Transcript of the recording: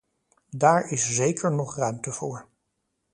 Daar is zeker nog ruimte voor.